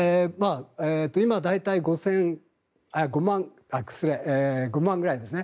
今、大体５万ぐらいですね